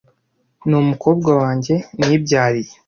ni umukobwa wanjye nibyariye